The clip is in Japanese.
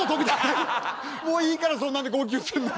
もういいからそんなんで号泣すんの。